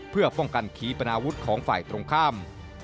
เพื่อป้องกันขีปนาวุฒิของฝ่ายตรงข้าม